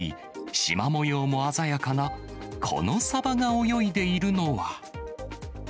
丸々と太り、しま模様も鮮やかなこのサバが泳いでいるのは。